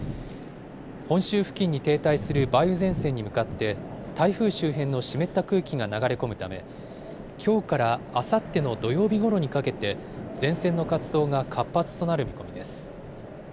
本州付近に停滞する梅雨前線に向かって、台風周辺の湿った空気が流れ込むため、きょうからあさっての土曜日ごろにかけて、前線の活動が活発となる見込みです。